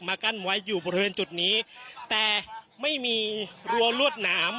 กั้นไว้อยู่บริเวณจุดนี้แต่ไม่มีรัวรวดหนาม